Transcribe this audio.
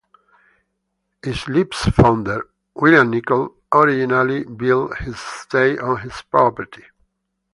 Islip's founder, William Nicoll, originally built his estate on this property.